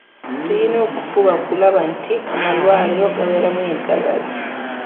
Tulina okufuba okulaba nti amalwaliro gabeeramu eddagala.